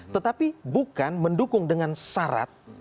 tetapi bukan mendukung dengan syarat